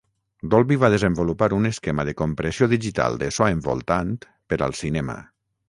Dolby va desenvolupar un esquema de compressió digital de so envoltant per al cinema.